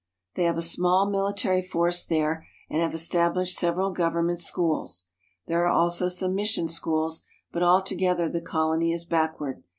They have a small military force there, and have established several government schools. There are also some mission schools ; but altogether the colony is backward.